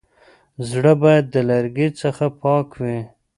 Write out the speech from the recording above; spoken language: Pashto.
زړه بايد د کرکي څخه پاک وي.